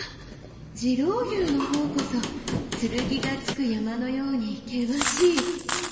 次郎笈の方こそ「剣」がつく山のように険しい。